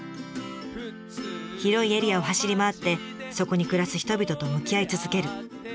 広いエリアを走り回ってそこに暮らす人々と向き合い続ける。